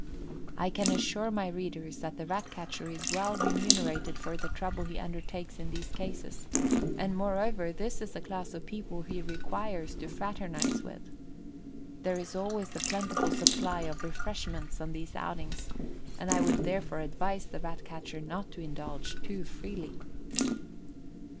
I can assure my readers that the Rat catcher is well remunerated for the trouble he undertakes in these cases, and moreover this is the class of people he requires to fraternise with. There is always a plentiful supply of "refreshments" on these outings, and I would therefore advise the Rat catcher not to indulge too freely.